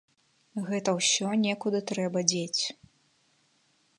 Гэта ўсё некуды трэба дзець.